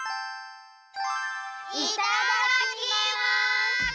いただきます！